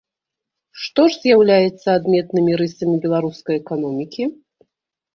Што ж з'яўляецца адметнымі рысамі беларускай эканомікі?